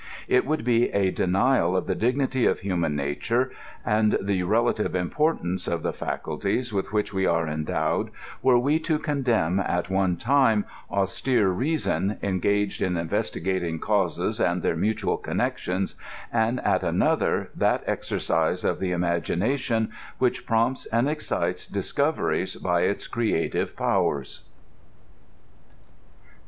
It would be a denial of the dignity of human nature and the relative importance of the faculties with which we are endowed, were we to condemn at one time austere reason engaged in investigating causes and their mutual connections, and at another that exercise of the imagination which prompts and excites discoveries by its creative powers.